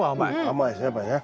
甘いですねやっぱりね。